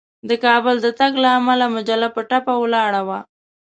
د کابل د تګ له امله مجله په ټپه ولاړه وه.